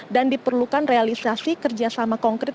dan diperlukan realisasi kerjasama konkret